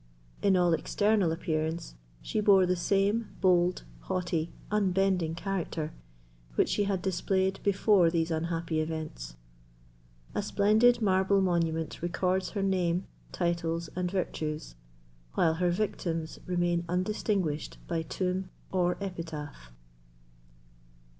In all external appearance she bore the same bold, haughty, unbending character which she had displayed before these unhappy events. A splendid marble monument records her name, titles, and virtues, while her victims remain undistinguished by tomb or epitaph.